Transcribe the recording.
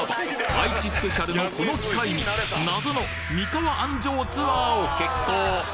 愛知スペシャルのこの機会に謎の三河安城ツアーを決行！